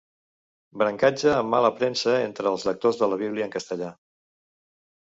Brancatge amb mala premsa entre els lectors de la Bíblia en castellà.